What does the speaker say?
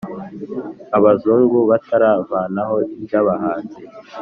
abazungu bataravanaho iby’abahinza